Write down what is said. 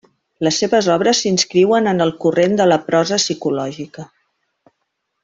Les seves obres s'inscriuen en el corrent de la prosa psicològica.